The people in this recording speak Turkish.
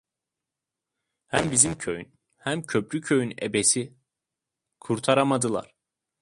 Hem bizim köyün, hem Köprüköy'ün ebesi… Kurtaramadılar…